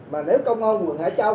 mà nếu công an quận hải châu